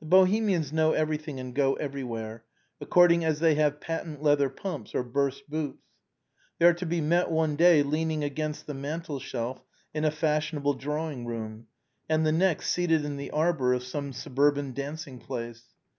The Bohemians know everything and go everywhere, ac cording as they have patent leather pumps or burst boots. They are to be met one day leaning against the mantel shelf in a fashionable drawing room, and the next seated in the arbor of some surburban dancing place.